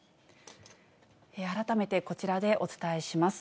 改めてこちらでお伝えします。